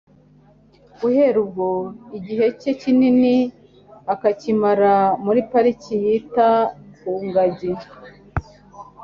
Guhera ubwo, igihe ke kinini akakimara muri pariki yita ku ngagi.